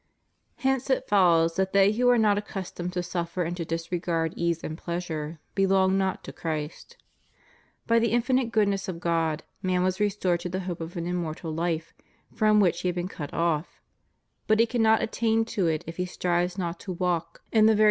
^ Hence it follows that they who are not accustomed to suffer, and to disregard ease and pleasure, belong not to Christ. By the infinite goodness of God, man was restored to the hope of an immortal life from which he had been cut off; but he cannot attain to it if he strives not to walk in the very 1 Acts iv 12.